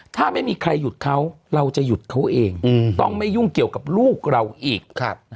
ถ้าไม่มีใครหยุดเขาเราจะหยุดเขาเองต้องไม่ยุ่งเกี่ยวกับลูกเราอีก